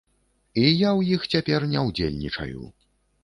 І я ў іх цяпер не ўдзельнічаю.